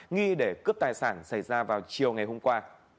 nghi để cướp tài sản xảy ra vào chiều ngày hôm qua